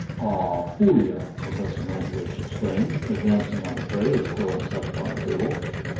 "Ah, Puya!" Professor Mantelish exclaimed, advancing on the tray as Quillan set it on the table.